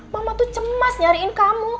mama tuh cemas nyariin kamu